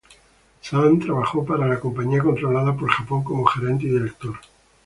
Zhang trabajó para la compañía controlada por Japón como gerente y director.